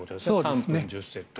３分１０セット。